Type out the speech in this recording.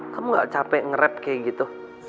kamu gak capek nge rap kayak gitu